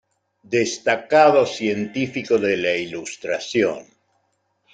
Destacado científico de la Ilustración.